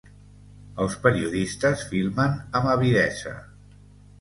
Els periodistes filmen amb avidesa.